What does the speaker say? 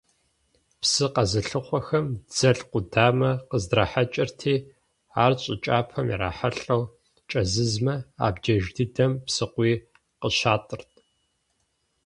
Псы къэзылъыхъуэхэм дзэл къудамэ къыздрахьэкӀырти, ар щӀы кӀапэм ирахьэлӀэу кӀэзызмэ, абдеж дыдэм псыкъуий къыщатӀырт.